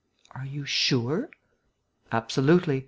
"Are you sure?" "Absolutely.